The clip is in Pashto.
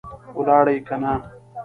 ولاړې که نه؟